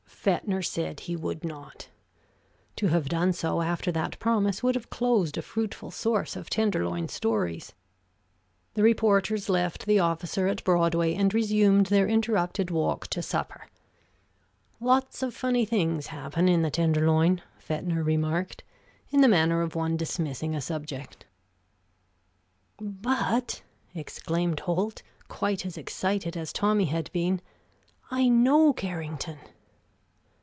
Fetner said he would not. To have done so after that promise would have closed a fruitful source of Tenderloin stories. The reporters left the officer at Broadway and resumed their interrupted walk to supper. "Lots of funny things happen in the Tenderloin," Fetner remarked, in the manner of one dismissing a subject. "But," exclaimed Holt, quite as excited as Tommy had been, "I know Carrington."